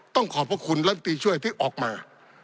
ต้องขอบคุณลำตีช่วยที่ออกมา